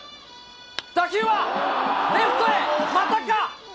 打球は、レフトへ、またか。